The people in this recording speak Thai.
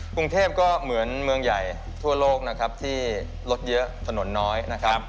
กรุงเทพก็เหมือนเมืองใหญ่ทั่วโลกนะครับที่รถเยอะถนนน้อยนะครับ